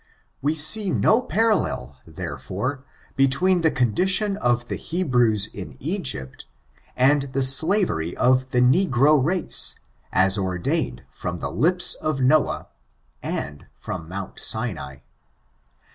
We see no parallel, therefore, between the condition of the Hebrews in Egypt, and the slavery of the negro race, as ordained from the lips of Noab, and from Mount Sinai.